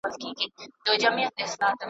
یوه بل ته یې د زړه وکړې خبري .